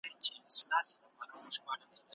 باید هېڅکله یو بې ژبې مخلوق په ناحقه ونه ځورول شي.